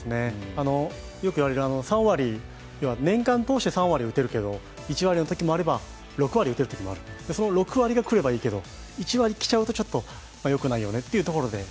よく言われる、年間通して３割打てるけど、１割のときもあれば６割打てるときもある、その６割が来ればいいけど、１割きちゃうとちょっとよくないよねというところで。